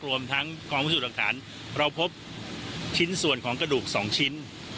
รวมทั้งกองพิสูจน์หลักฐานเราพบชิ้นส่วนของกระดูก๒ชิ้น